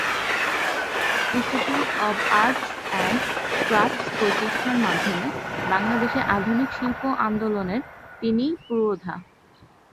Institute of Arts and Crafts প্রতিষ্ঠার মাধ্যমে বাংলাদেশে আধুনিক শিল্প আন্দোলনের তিনিই পুরোধা।